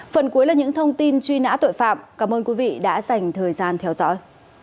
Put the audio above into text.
phần cuối là những thông tin truy nã tội phạm cảm ơn quý vị đã dành thời gian theo dõi